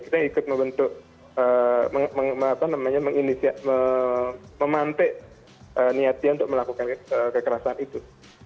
kita ikut membentuk memantik niat dia untuk melakukan kekerasan itu